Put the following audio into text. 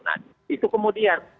nah itu kemudian